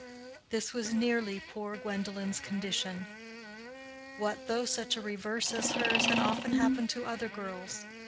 This was nearly poor Gwendolen's condition. What though such a reverse as hers had often happened to other girls?